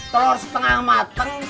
telur setengah mateng